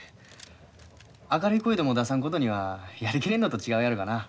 明るい声でも出さんことにはやりきれんのと違うやろかな。